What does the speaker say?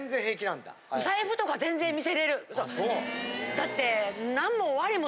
だって。